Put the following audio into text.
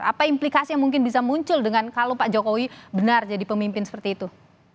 apa implikasi yang mungkin bisa muncul dengan kalau pak jokowi benar jadi pemimpin seperti itu